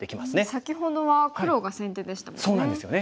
先ほどは黒が先手でしたもんね。